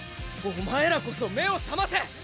お前らこそ目を覚ませ！